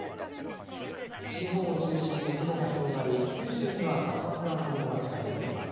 西日本を中心に雲が広がり九州には活発な雨雲が近づいています。